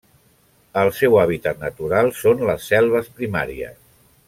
El seu hàbitat natural són les selves primàries.